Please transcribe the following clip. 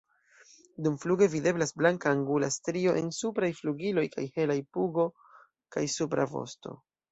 Dumfluge videblas blanka angula strio en supraj flugiloj kaj helaj pugo kaj supra vosto.